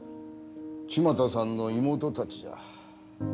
千万太さんの妹たちじゃ。